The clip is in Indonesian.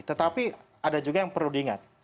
tetapi ada juga yang perlu diingat